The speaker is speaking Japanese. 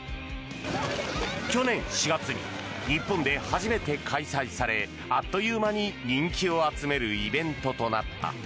去年４月に日本で初めて開催されあっという間に人気を集めるイベントとなった。